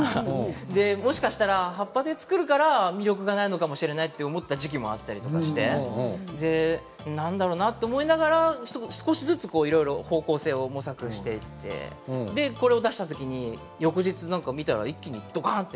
もしかして葉っぱで作るから魅力がないのかなと思った時期もあって何だろうなと思いながら少しずつ、いろいろ方向性を模索していってこれを出したときに翌日見たら、一気にドカンと